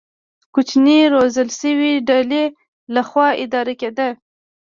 کوچنۍ روزل شوې ډلې له خوا اداره کېده.